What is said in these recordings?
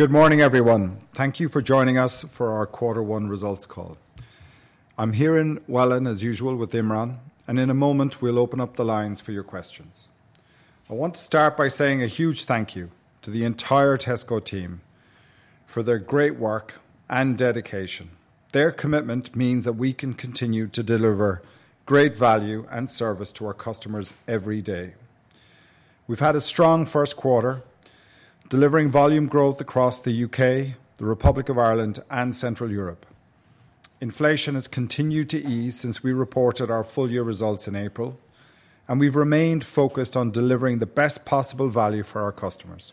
Good morning, everyone. Thank you for joining us for our Quarter One results call. I'm here in Welwyn, as usual, with Imran, and in a moment we'll open up the lines for your questions. I want to start by saying a huge thank you to the entire Tesco team for their great work and dedication. Their commitment means that we can continue to deliver great value and service to our customers every day. We've had a strong Q1, delivering volume growth across the U.K., the Republic of Ireland, and Central Europe. Inflation has continued to ease since we reported our full year results in April, and we've remained focused on delivering the best possible value for our customers.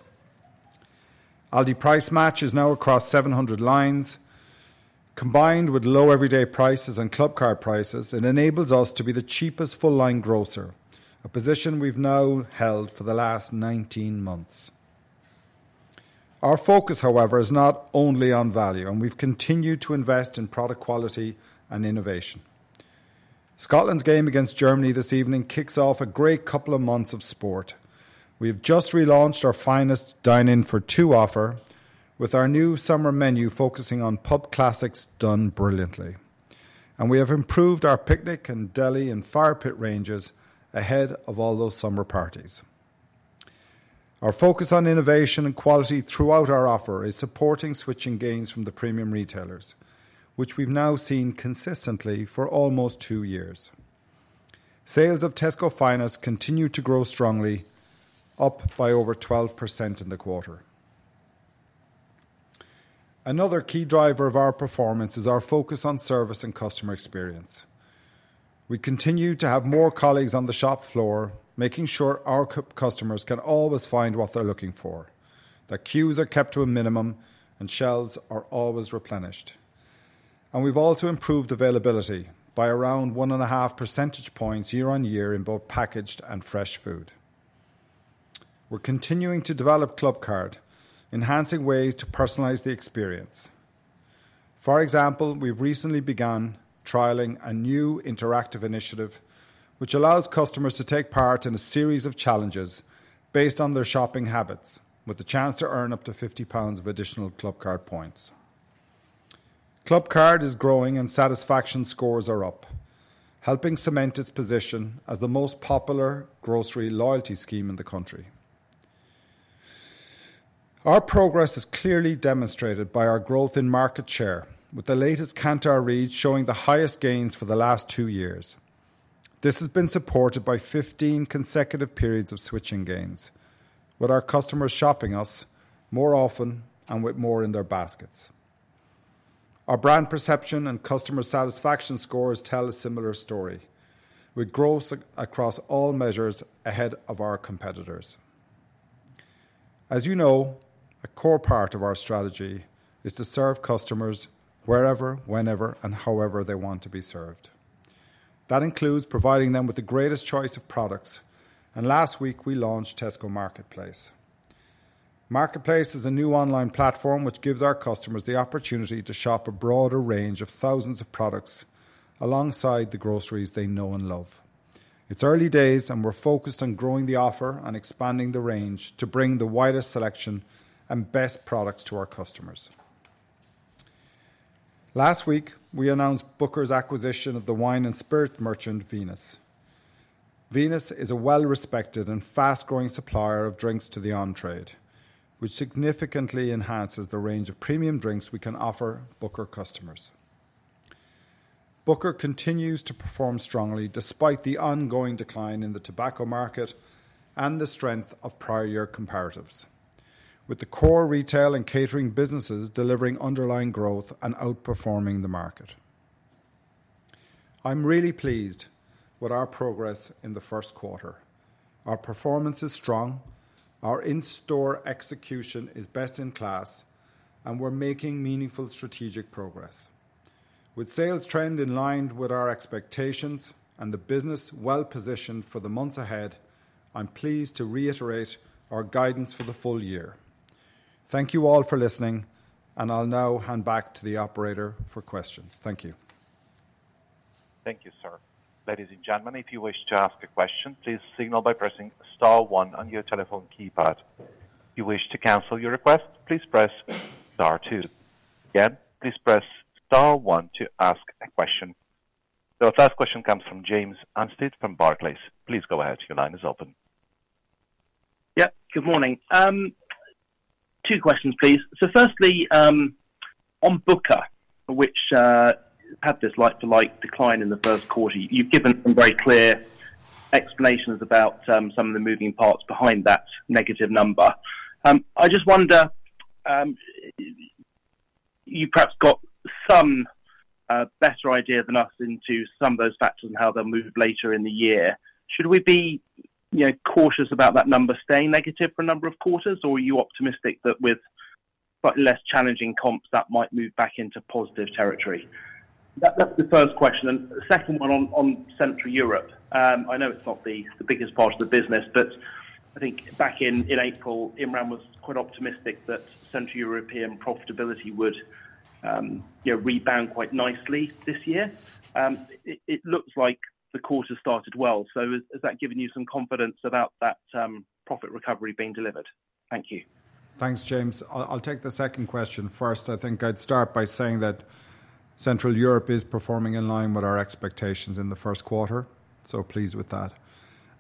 Aldi Price Match is now across 700 lines, combined with Low Everyday Prices and Clubcard Prices, and enables us to be the cheapest full-line grocer, a position we've now held for the last 19 months. Our focus, however, is not only on value, and we've continued to invest in product quality and innovation. Scotland's game against Germany this evening kicks off a great couple of months of sport. We have just relaunched our Finest dine-in-for-two offer with our new summer menu focusing on pub classics done brilliantly, and we have improved our picnic and deli and Fire Pit ranges ahead of all those summer parties. Our focus on innovation and quality throughout our offer is supporting switching gains from the premium retailers, which we've now seen consistently for almost two years. Sales of Tesco Finest continue to grow strongly, up by over 12% in the quarter. Another key driver of our performance is our focus on service and customer experience. We continue to have more colleagues on the shop floor, making sure our customers can always find what they're looking for. The queues are kept to a minimum, and shelves are always replenished. We've also improved availability by around 1.5 percentage points year-on-year in both packaged and fresh food. We're continuing to develop Clubcard, enhancing ways to personalize the experience. For example, we've recently begun trialing a new interactive initiative which allows customers to take part in a series of challenges based on their shopping habits, with the chance to earn up to 50 pounds of additional Clubcard points. Clubcard is growing, and satisfaction scores are up, helping cement its position as the most popular grocery loyalty scheme in the country. Our progress is clearly demonstrated by our growth in market share, with the latest Kantar read showing the highest gains for the last two years. This has been supported by 15 consecutive periods of switching gains, with our customers shopping us more often and with more in their baskets. Our brand perception and customer satisfaction scores tell a similar story, with growth across all measures ahead of our competitors. As you know, a core part of our strategy is to serve customers wherever, whenever, and however they want to be served. That includes providing them with the greatest choice of products, and last week we launched Tesco Marketplace. Marketplace is a new online platform which gives our customers the opportunity to shop a broader range of thousands of products alongside the groceries they know and love. It's early days, and we're focused on growing the offer and expanding the range to bring the widest selection and best products to our customers. Last week, we announced Booker's acquisition of the wine and spirits merchant Venus. Venus is a well-respected and fast-growing supplier of drinks to the on-trade, which significantly enhances the range of premium drinks we can offer Booker customers. Booker continues to perform strongly despite the ongoing decline in the tobacco market and the strength of prior year comparatives, with the core retail and catering businesses delivering underlying growth and outperforming the market. I'm really pleased with our progress in the Q1. Our performance is strong, our in-store execution is best in class, and we're making meaningful strategic progress. With sales trend in line with our expectations and the business well-positioned for the months ahead, I'm pleased to reiterate our guidance for the full year. Thank you all for listening, and I'll now hand back to the operator for questions. Thank you. Thank you, sir. Ladies and gentlemen, if you wish to ask a question, please signal by pressing Star One on your telephone keypad. If you wish to cancel your request, please press Star Two. Again, please press Star One to ask a question. The last question comes from James Anstead from Barclays. Please go ahead. Your line is open. Yeah, good morning. Two questions, please. So firstly, on Booker, which had this like-for-like decline in the Q1, you've given some very clear explanations about some of the moving parts behind that negative number. I just wonder, you've perhaps got some better idea than us into some of those factors and how they'll move later in the year. Should we be cautious about that number staying negative for a number of quarters, or are you optimistic that with slightly less challenging comps that might move back into positive territory? That's the first question. And the second one on Central Europe. I know it's not the biggest part of the business, but I think back in April, Imran was quite optimistic that Central European profitability would rebound quite nicely this year. It looks like the quarter started well. Has that given you some confidence about that profit recovery being delivered? Thank you. Thanks, James. I'll take the second question first. I think I'd start by saying that Central Europe is performing in line with our expectations in the Q1, so pleased with that.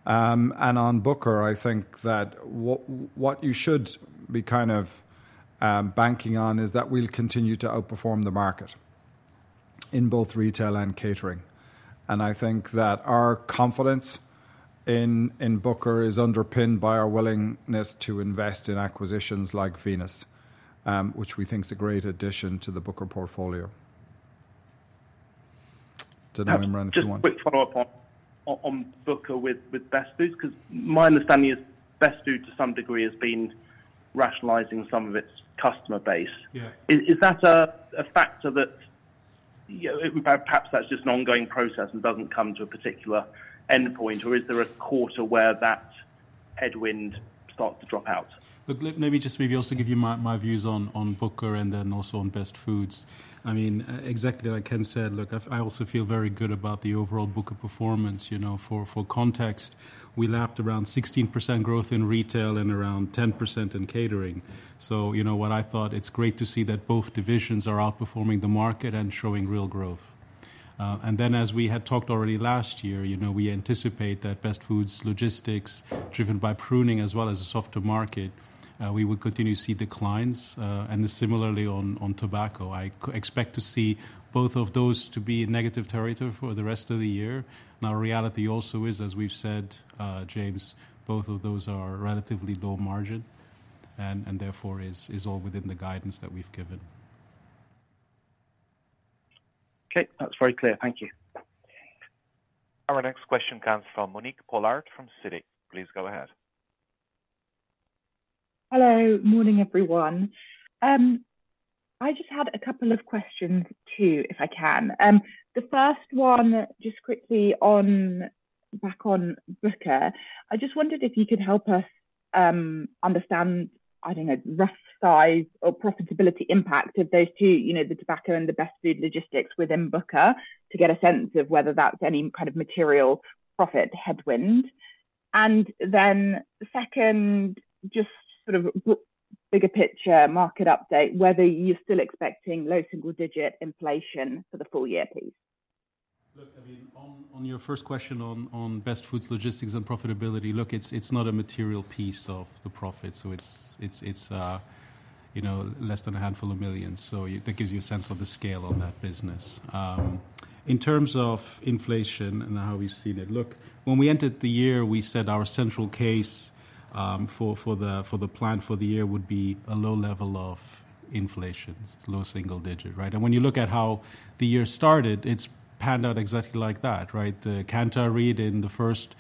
And on Booker, I think that what you should be kind of banking on is that we'll continue to outperform the market in both retail and catering. And I think that our confidence in Booker is underpinned by our willingness to invest in acquisitions like Venus, which we think is a great addition to the Booker portfolio. I don't know, Imran, if you want. Just a quick follow-up on Booker with Best Food Logistics, because my understanding is Best Food Logistics to some degree has been rationalizing some of its customer base. Is that a factor that perhaps that's just an ongoing process and doesn't come to a particular endpoint, or is there a quarter where that headwind starts to drop out? Let me just maybe also give you my views on Booker and then also on Best Food Logistics. I mean, exactly like Ken said, look, I also feel very good about the overall Booker performance. For context, we lapped around 16% growth in retail and around 10% in catering. So what I thought, it's great to see that both divisions are outperforming the market and showing real growth. And then, as we had talked already last year, we anticipate that Best Food Logistics, driven by pruning as well as a softer market, we will continue to see declines. And similarly on tobacco, I expect to see both of those to be in negative territory for the rest of the year. Now, reality also is, as we've said, James, both of those are relatively low margin and therefore is all within the guidance that we've given. Okay, that's very clear. Thank you. Our next question comes from Monique Pollard from Citi. Please go ahead. Hello, morning everyone. I just had a couple of questions too, if I can. The first one, just quickly back on Booker, I just wondered if you could help us understand, I don't know, rough size or profitability impact of those two, the tobacco and the Best Food Logistics within Booker, to get a sense of whether that's any kind of material profit headwind. And then second, just sort of bigger picture market update, whether you're still expecting low single-digit inflation for the full year, please. Look, I mean, on your first question on Best Food Logistics and profitability, look, it's not a material piece of the profit. So it's less than a handful of millions GBP. So that gives you a sense of the scale on that business. In terms of inflation and how we've seen it, look, when we entered the year, we said our central case for the plan for the year would be a low level of inflation, low single digit, right? And when you look at how the year started, it's panned out exactly like that, right? The Kantar read in the first,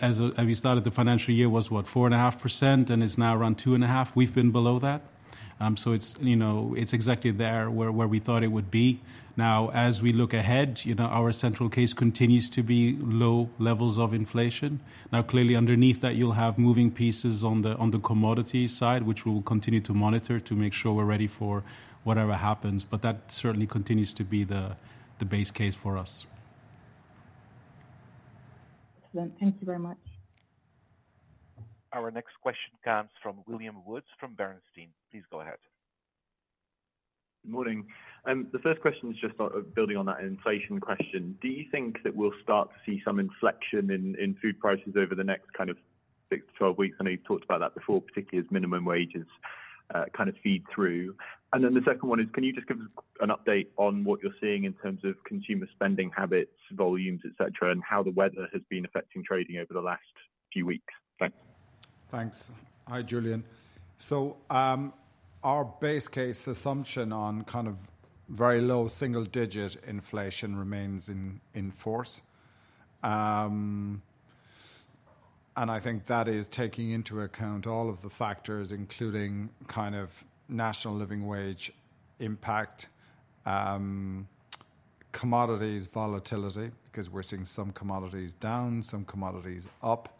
as we started the financial year, was what, 4.5% and has now run 2.5%. We've been below that. So it's exactly there where we thought it would be. Now, as we look ahead, our central case continues to be low levels of inflation. Now, clearly underneath that, you'll have moving pieces on the commodity side, which we will continue to monitor to make sure we're ready for whatever happens. But that certainly continues to be the base case for us. Excellent. Thank you very much. Our next question comes from William Woods from Bernstein. Please go ahead. Good morning. The first question is just building on that inflation question. Do you think that we'll start to see some inflection in food prices over the next kind of 6-12 weeks? I know you've talked about that before, particularly as minimum wages kind of feed through. And then the second one is, can you just give us an update on what you're seeing in terms of consumer spending habits, volumes, etc., and how the weather has been affecting trading over the last few weeks? Thanks. Thanks. Hi, William. So our base case assumption on kind of very low single-digit inflation remains in force. And I think that is taking into account all of the factors, including kind of National Living Wage impact, commodities volatility, because we're seeing some commodities down, some commodities up,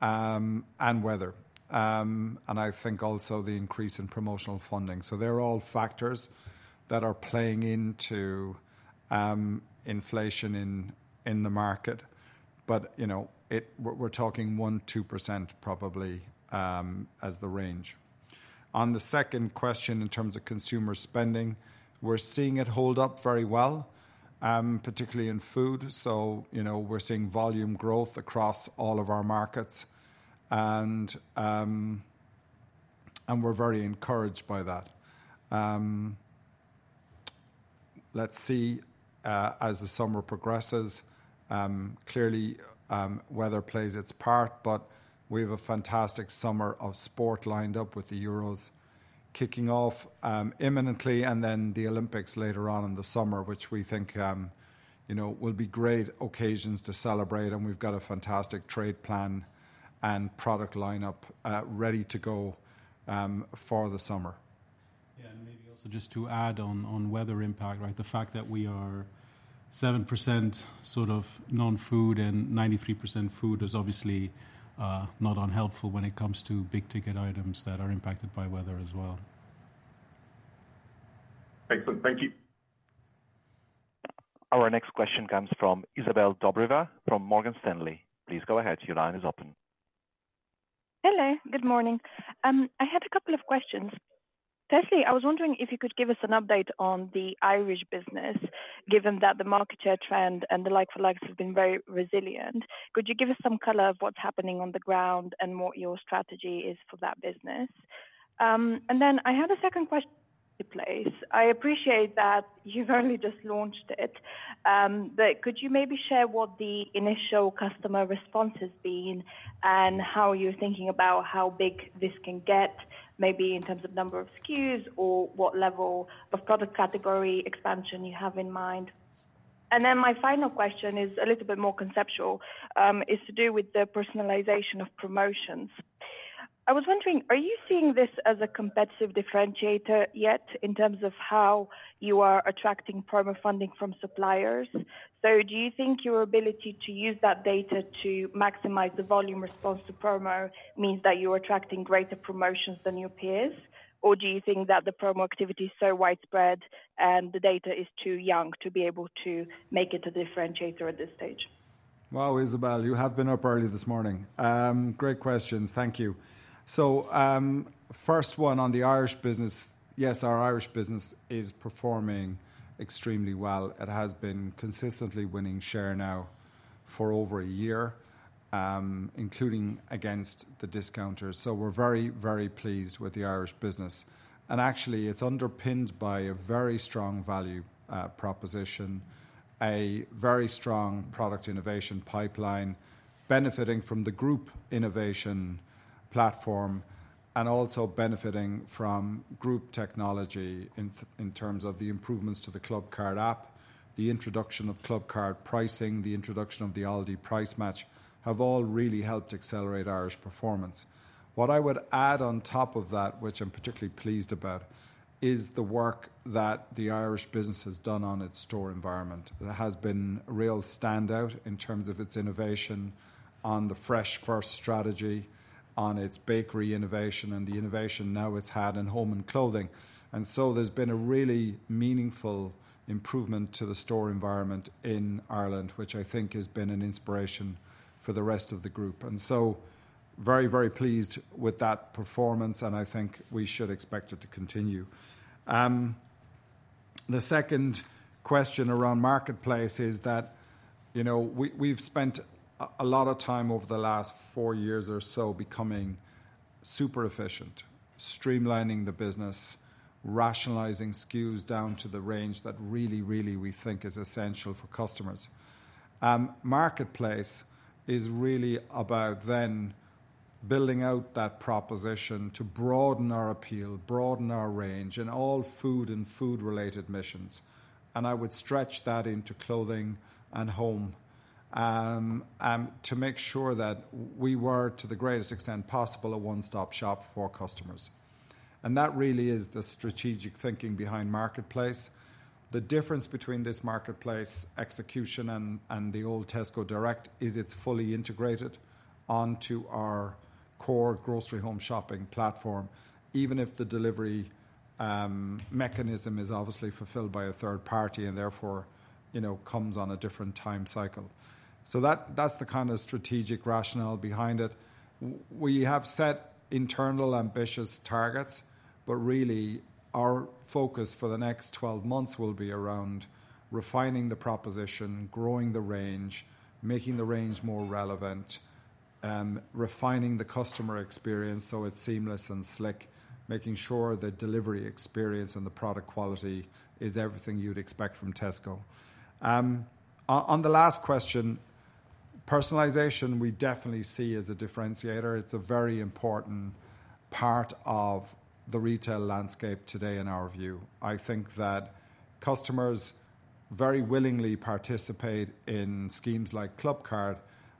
and weather. And I think also the increase in promotional funding. So they're all factors that are playing into inflation in the market. But we're talking 1%-2% probably as the range. On the second question in terms of consumer spending, we're seeing it hold up very well, particularly in food. So we're seeing volume growth across all of our markets, and we're very encouraged by that. Let's see, as the summer progresses, clearly weather plays its part, but we have a fantastic summer of sport lined up with the Euros kicking off imminently and then the Olympics later on in the summer, which we think will be great occasions to celebrate. And we've got a fantastic trade plan and product lineup ready to go for the summer. Yeah. And maybe also just to add on weather impact, right? The fact that we are 7% sort of non-food and 93% food is obviously not unhelpful when it comes to big-ticket items that are impacted by weather as well. Excellent. Thank you. Our next question comes from Izabel Dobreva from Morgan Stanley. Please go ahead. Your line is open. Hello. Good morning. I had a couple of questions. Firstly, I was wondering if you could give us an update on the Irish business, given that the market share trend and the like-for-likes have been very resilient. Could you give us some color on what's happening on the ground and what your strategy is for that business? And then I had a second question in place. I appreciate that you've only just launched it, but could you maybe share what the initial customer response has been and how you're thinking about how big this can get, maybe in terms of number of SKUs or what level of product category expansion you have in mind? And then my final question is a little bit more conceptual, is to do with the personalization of promotions. I was wondering, are you seeing this as a competitive differentiator yet in terms of how you are attracting promo funding from suppliers? So do you think your ability to use that data to maximize the volume response to promo means that you're attracting greater promotions than your peers, or do you think that the promo activity is so widespread and the data is too young to be able to make it a differentiator at this stage? Wow, Isabel, you have been up early this morning. Great questions. Thank you. So first one on the Irish business, yes, our Irish business is performing extremely well. It has been consistently winning share now for over a year, including against the discounters. So we're very, very pleased with the Irish business. And actually, it's underpinned by a very strong value proposition, a very strong product innovation pipeline benefiting from the group innovation platform and also benefiting from group technology in terms of the improvements to the Clubcard app, the introduction of Clubcard pricing, the introduction of the Aldi Price Match have all really helped accelerate Irish performance. What I would add on top of that, which I'm particularly pleased about, is the work that the Irish business has done on its store environment. It has been a real standout in terms of its innovation on the Fresh First strategy, on its bakery innovation, and the innovation now it's had in home and clothing. So there's been a really meaningful improvement to the store environment in Ireland, which I think has been an inspiration for the rest of the group. So very, very pleased with that performance, and I think we should expect it to continue. The second question around Marketplace is that we've spent a lot of time over the last 4 years or so becoming super efficient, streamlining the business, rationalizing SKUs down to the range that really, really we think is essential for customers. Marketplace is really about then building out that proposition to broaden our appeal, broaden our range in all food and food-related missions. I would stretch that into clothing and home to make sure that we were to the greatest extent possible a one-stop shop for customers. That really is the strategic thinking behind Marketplace. The difference between this Marketplace execution and the old Tesco Direct is it's fully integrated onto our core grocery home shopping platform, even if the delivery mechanism is obviously fulfilled by a third party and therefore comes on a different time cycle. That's the kind of strategic rationale behind it. We have set internal ambitious targets, but really our focus for the next 12 months will be around refining the proposition, growing the range, making the range more relevant, refining the customer experience so it's seamless and slick, making sure the delivery experience and the product quality is everything you'd expect from Tesco. On the last question, personalization we definitely see as a differentiator. It's a very important part of the retail landscape today in our view. I think that customers very willingly participate in schemes like Clubcard,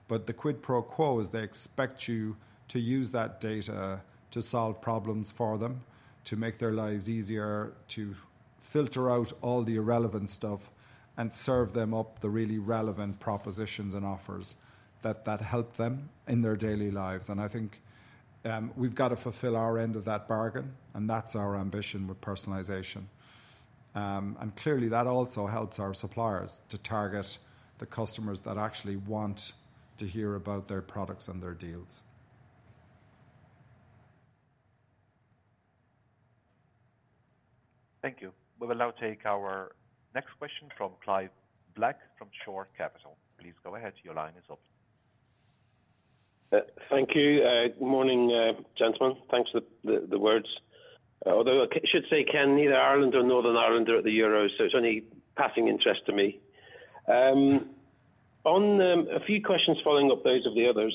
but the quid pro quo is they expect you to use that data to solve problems for them, to make their lives easier, to filter out all the irrelevant stuff and serve them up the really relevant propositions and offers that help them in their daily lives. I think we've got to fulfill our end of that bargain, and that's our ambition with personalization. Clearly, that also helps our suppliers to target the customers that actually want to hear about their products and their deals. Thank you. We will now take our next question from Clive Black from Shore Capital. Please go ahead. Your line is open. Thank you. Good morning, gentlemen. Thanks for the words. Although I should say, Ken, neither Ireland nor Northern Ireland are at the Euro, so it's only passing interest to me. On a few questions following up those of the others,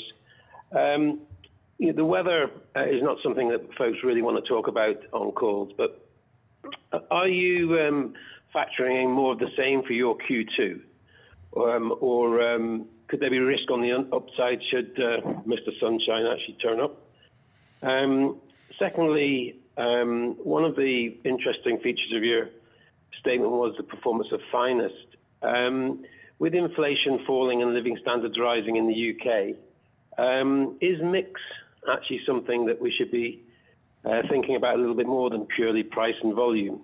the weather is not something that folks really want to talk about on calls, but are you factoring in more of the same for your Q2, or could there be risk on the upside should Mr. Sunshine actually turn up? Secondly, one of the interesting features of your statement was the performance of Finest. With inflation falling and living standards rising in the UK, is mix actually something that we should be thinking about a little bit more than purely price and volume?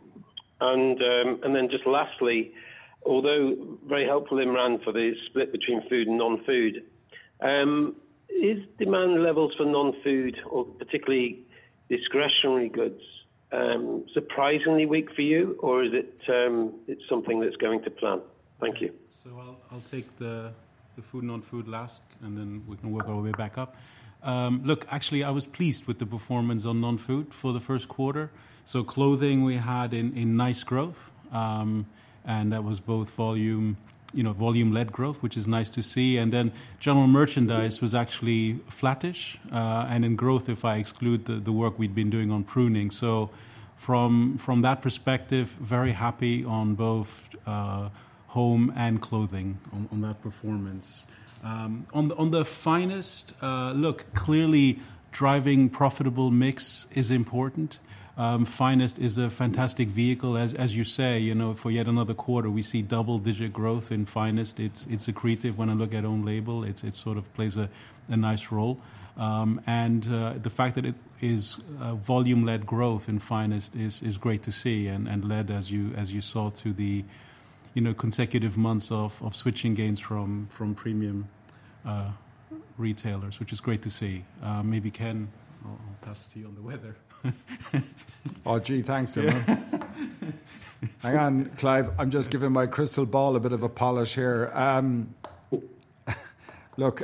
And then just lastly, although very helpful, Imran, for the split between food and non-food, is demand levels for non-food, or particularly discretionary goods, surprisingly weak for you, or is it something that's going to plan? Thank you. So I'll take the food, non-food last, and then we can work our way back up. Look, actually, I was pleased with the performance on non-food for the Q1. So clothing, we had a nice growth, and that was both volume-led growth, which is nice to see. And then general merchandise was actually flattish and in growth if I exclude the work we'd been doing on pruning. So from that perspective, very happy on both home and clothing on that performance. On the finest, look, clearly driving profitable mix is important. Finest is a fantastic vehicle. As you say, for yet another quarter, we see double-digit growth in finest. It's accretive when I look at own label. It sort of plays a nice role. The fact that it is volume-led growth in Finest is great to see and led, as you saw, to the consecutive months of switching gains from premium retailers, which is great to see. Maybe Ken will pass to you on the weather. Oh, gee, thanks, Imran. Hang on, Clive. I'm just giving my crystal ball a bit of a polish here. Look,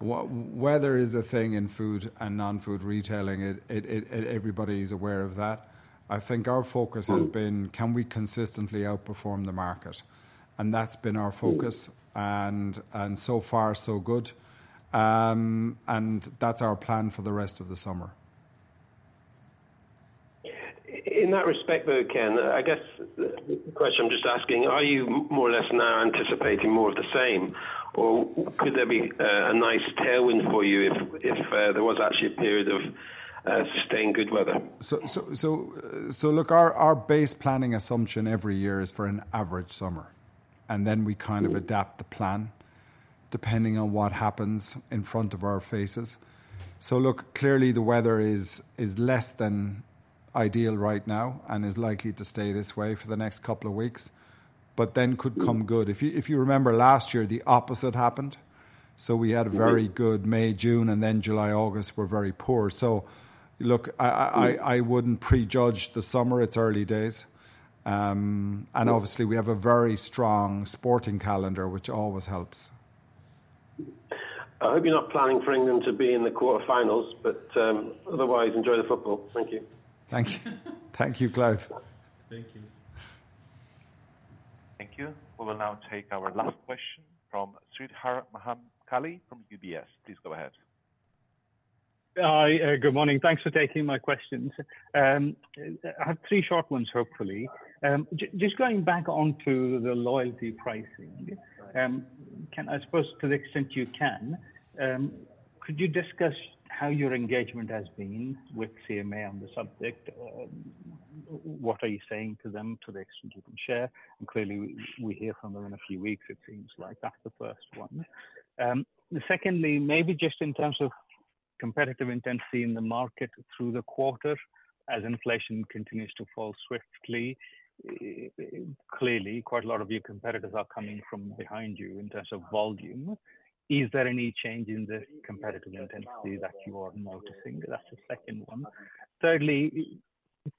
weather is the thing in food and non-food retailing. Everybody's aware of that. I think our focus has been, can we consistently outperform the market? And that's been our focus. And so far, so good. And that's our plan for the rest of the summer. In that respect, though, Ken, I guess the question I'm just asking, are you more or less now anticipating more of the same, or could there be a nice tailwind for you if there was actually a period of sustained good weather? So look, our base planning assumption every year is for an average summer, and then we kind of adapt the plan depending on what happens in front of our faces. So look, clearly the weather is less than ideal right now and is likely to stay this way for the next couple of weeks, but then could come good. If you remember last year, the opposite happened. So we had a very good May, June, and then July, August were very poor. So look, I wouldn't prejudge the summer. It's early days. And obviously, we have a very strong sporting calendar, which always helps.I hope you're not planning for England to be in the quarterfinals, but otherwise, enjoy the football. Thank you. Thank you. Thank you, Clive. Thank you. Thank you. We will now take our last question from Sreedhar Mahamkali from UBS. Please go ahead. Hi, good morning. Thanks for taking my questions. I have three short ones, hopefully. Just going back onto the loyalty pricing, Ken, I suppose to the extent you can, could you discuss how your engagement has been with CMA on the subject? What are you saying to them to the extent you can share? And clearly, we hear from them in a few weeks, it seems like. That's the first one. Secondly, maybe just in terms of competitive intensity in the market through the quarter, as inflation continues to fall swiftly, clearly, quite a lot of your competitors are coming from behind you in terms of volume. Is there any change in the competitive intensity that you are noticing? That's the second one. Thirdly,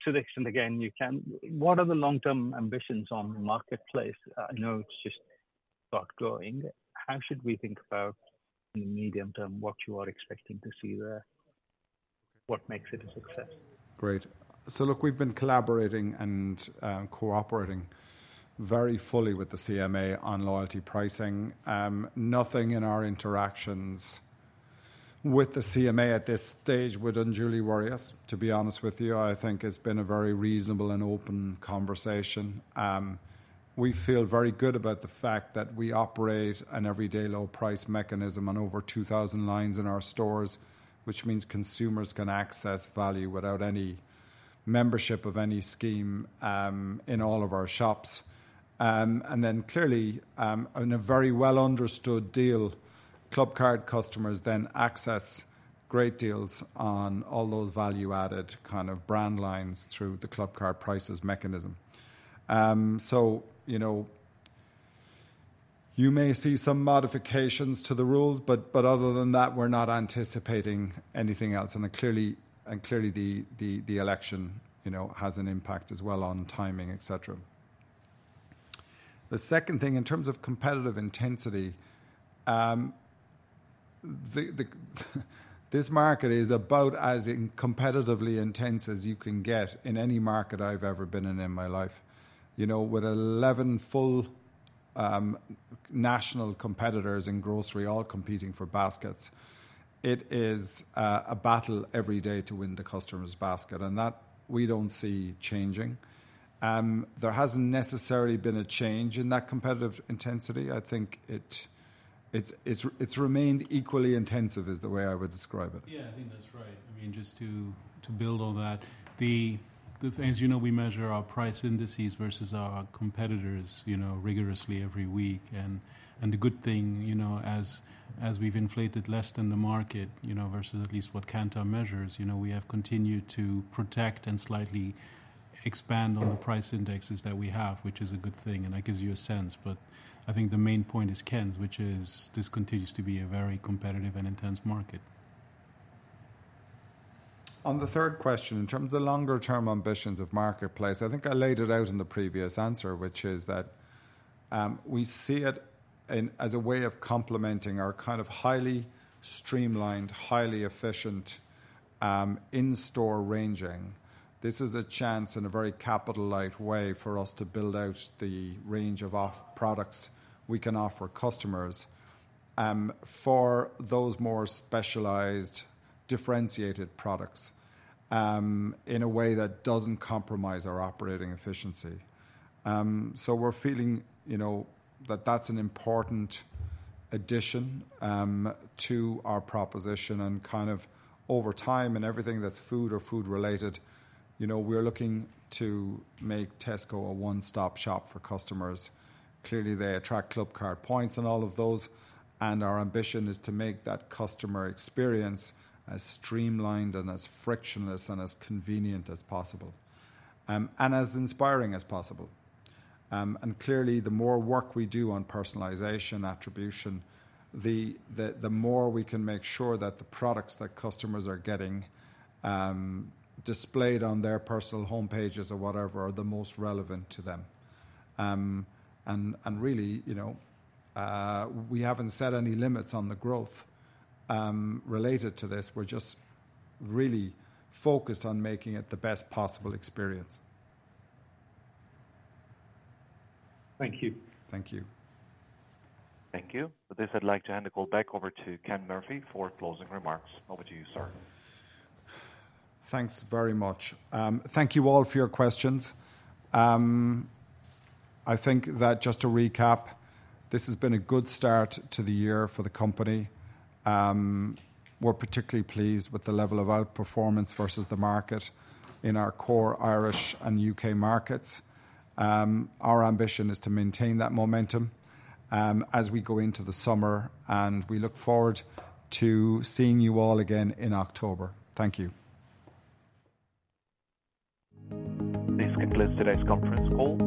to the extent, again, you can, what are the long-term ambitions on marketplace? I know it's just got going. How should we think about in the medium term what you are expecting to see there? What makes it a success? Great. So look, we've been collaborating and cooperating very fully with the CMA on loyalty pricing. Nothing in our interactions with the CMA at this stage would unduly worry us, to be honest with you. I think it's been a very reasonable and open conversation. We feel very good about the fact that we operate an everyday low-price mechanism on over 2,000 lines in our stores, which means consumers can access value without any membership of any scheme in all of our shops. And then clearly, on a very well-understood deal, Clubcard customers then access great deals on all those value-added kind of brand lines through the Clubcard prices mechanism. So you may see some modifications to the rules, but other than that, we're not anticipating anything else. And clearly, the election has an impact as well on timing, etc. The second thing, in terms of competitive intensity, this market is about as competitively intense as you can get in any market I've ever been in in my life. With 11 full national competitors in grocery all competing for baskets, it is a battle every day to win the customer's basket. That we don't see changing. There hasn't necessarily been a change in that competitive intensity. I think it's remained equally intensive is the way I would describe it. Yeah, I think that's right. I mean, just to build on that, as you know, we measure our price indices versus our competitors rigorously every week. And the good thing, as we've inflated less than the market versus at least what Kantar measures, we have continued to protect and slightly expand on the price indexes that we have, which is a good thing. And that gives you a sense. But I think the main point is Ken's, which is this continues to be a very competitive and intense market. On the third question, in terms of the longer-term ambitions of Marketplace, I think I laid it out in the previous answer, which is that we see it as a way of complementing our kind of highly streamlined, highly efficient in-store ranging. This is a chance in a very capital-light way for us to build out the range of products we can offer customers for those more specialized, differentiated products in a way that doesn't compromise our operating efficiency. So we're feeling that that's an important addition to our proposition. And kind of over time and everything that's food or food-related, we're looking to make Tesco a one-stop shop for customers. Clearly, they attract Clubcard points and all of those. And our ambition is to make that customer experience as streamlined and as frictionless and as convenient as possible and as inspiring as possible. And clearly, the more work we do on personalization attribution, the more we can make sure that the products that customers are getting displayed on their personal homepages or whatever are the most relevant to them. And really, we haven't set any limits on the growth related to this. We're just really focused on making it the best possible experience. Thank you. Thank you. Thank you. With this, I'd like to hand the call back over to Ken Murphy for closing remarks. Over to you, sir. Thanks very much. Thank you all for your questions. I think that just to recap, this has been a good start to the year for the company. We're particularly pleased with the level of outperformance versus the market in our core Irish and UK markets. Our ambition is to maintain that momentum as we go into the summer, and we look forward to seeing you all again in October. Thank you. This concludes today's Conference Call.